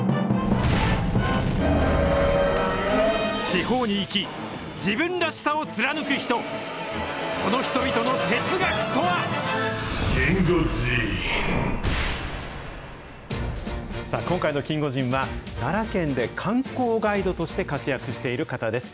地方に生き自分らしさを貫くさあ、今回のキンゴジンは、奈良県で観光ガイドとして活躍している方です。